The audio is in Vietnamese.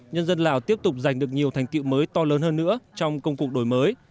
nhân dân lào tiếp tục giành được nhiều thành tiệu mới to lớn hơn nữa trong công cuộc đổi mới